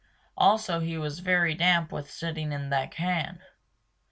Also he was very damp with sitting in that can.